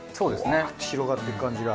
ぶわって広がっていく感じが。